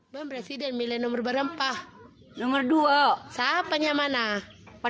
menurut saya siapa yang menurut saya